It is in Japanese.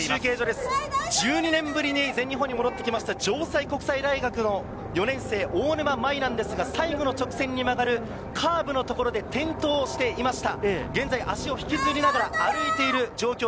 １２年ぶりに全日本に戻ってきました城西国際大学の４年生・大沼亜衣なんですが、最後の直線に曲がるカーブの所で転倒していました。